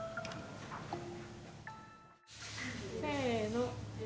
せの。